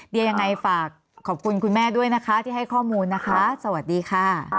เดี๋ยวยังไงฝากขอบคุณคุณแม่ด้วยนะคะที่ให้ข้อมูลนะคะสวัสดีค่ะ